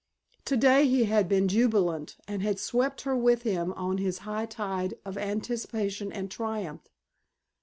Today he had been jubilant and had swept her with him on his high tide of anticipation and triumph.